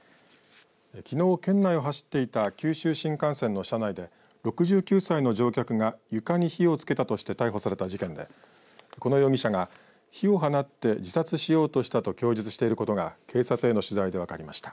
きのう、県内を走っていた九州新幹線の車内で６９歳の乗客が床に火をつけたとして逮捕された事件で、この容疑者が火を放って自殺しようとしたと供述していることが警察への取材で分かりました。